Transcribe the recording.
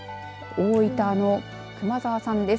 大分の熊澤さんです。